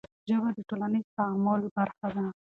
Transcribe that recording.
ژبه د ټولنیز تعامل برخه ده.